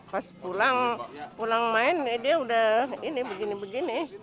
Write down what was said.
pas pulang pulang main dia udah ini begini begini